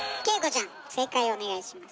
ちゃん正解をお願いします。